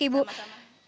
terima kasih banyak ibu